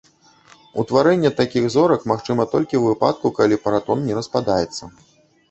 Утварэнне такіх зорак магчыма толькі ў выпадку, калі пратон не распадаецца.